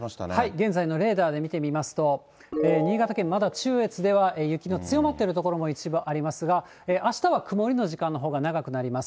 現在のレーダーで見てみますと、新潟県、まだ中越では雪の強まっている所も一部、ありますが、あしたは曇りの時間のほうが長くなります。